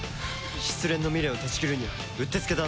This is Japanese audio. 失恋の未練を断ち切るにはうってつけだな。